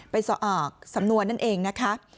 ออกสำนวนนั่นเองนะคะ